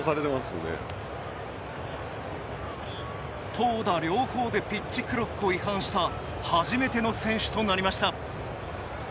投打両方でピッチクロックを違反した初めての選手となりました。